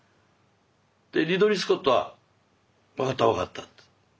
でリドリー・スコットは分かった分かったと。